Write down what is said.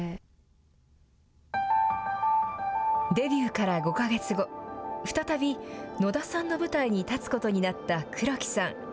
デビューから５か月後、再び野田さんの舞台に立つことになった黒木さん。